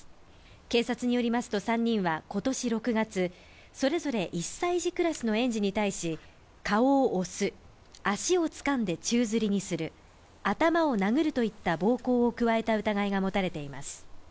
警察によりますと、３人は今年６月、それぞれ１歳児クラスの園児に対し顔を押す、足をつかんで宙づりにする、頭を殴るといった暴行を加えた疑いが持たれています。